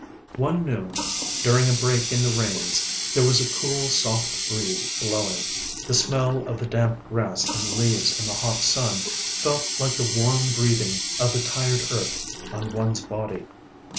One noon, during a break in the rains, there was a cool soft breeze blowing; the smell of the damp grass and leaves in the hot sun felt like the warm breathing of the tired earth on one's body.